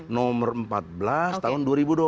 nomor empat belas tahun dua ribu dua puluh